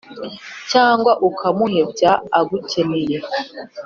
cyangwa ukamuhebya agukeneye.